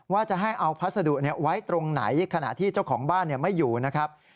ว่าจะให้เอาพัสดุไว้ตรงไหนขณะที่เจ้าของบ้านไม่อยู่นะครับ